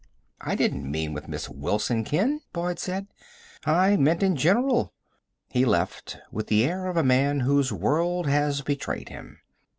"I didn't mean with Miss Wilson, Ken," Boyd said. "I meant in general." He left, with the air of a man whose world has betrayed him.